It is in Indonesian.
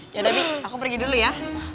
ya udah bi aku pergi dulu ya